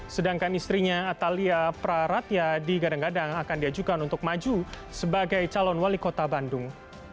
sedangkan istrinya atalia praratya digadang gadang akan diajukan untuk maju sebagai calon wali kota bandung